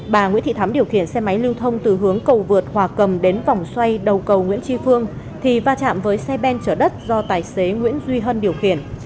bà nguyễn thị thắm điều khiển xe máy lưu thông từ hướng cầu vượt hòa cầm đến vòng xoay đầu cầu nguyễn tri phương thì va chạm với xe ben chở đất do tài xế nguyễn duy hân điều khiển